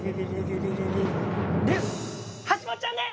はしもっちゃんで！